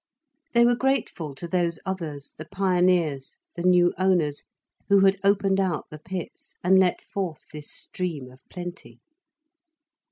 They were grateful to those others, the pioneers, the new owners, who had opened out the pits, and let forth this stream of plenty.